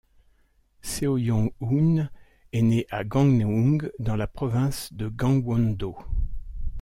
Seo Yeong-eun est née à Gangneung, dans la province de Gangwon-do.